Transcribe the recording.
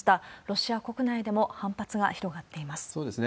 ロシア国内でも反発が広がっています。